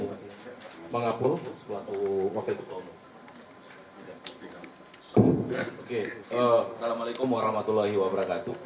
oke assalamu'alaikum warahmatullahi wabarakatuh